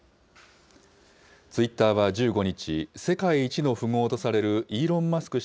ツイッターは１５日、世界一の富豪とされるイーロン・マスク